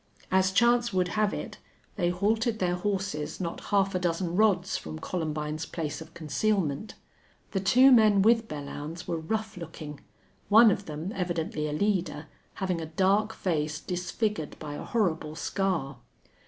As chance would have it they halted their horses not half a dozen rods from Columbine's place of concealment. The two men with Belllounds were rough looking, one of them, evidently a leader, having a dark face disfigured by a horrible scar.